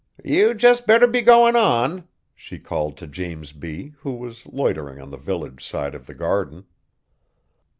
"You jest better be goin' on!" she called to James B., who was loitering on the village side of the garden.